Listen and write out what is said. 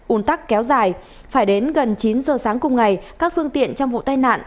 ủn tắc kéo dài phải đến gần chín giờ sáng cùng ngày các phương tiện trong vụ tai nạn